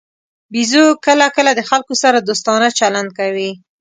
بیزو کله کله د خلکو سره دوستانه چلند کوي.